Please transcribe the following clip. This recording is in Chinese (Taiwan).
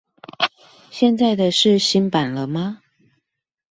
現在的是新版了嗎